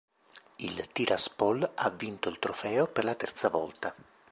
Il Tiraspol ha vinto il trofeo per la terza volta.